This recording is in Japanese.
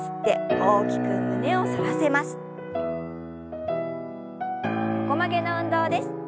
横曲げの運動です。